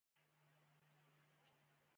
همدغه کار خپلواکۍ ته وهڅول.